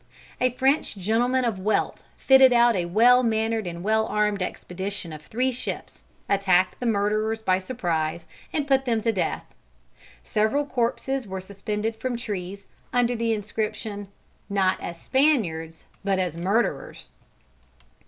A French gentleman of wealth fitted out a well manned and well armed expedition of three ships, attacked the murderers by surprise and put them to death. Several corpses were suspended from trees, under the inscription, "_Not as Spaniards, but as Murderers.